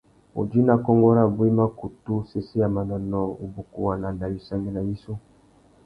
Udjï nà kônkô rabú i mà kutu sésséya manônōh, wubukuwana na wissangüena yissú.